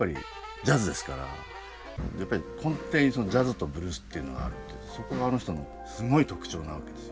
やっぱり根底にジャズとブルースっていうのがあってそこがあの人のすごい特徴なわけです。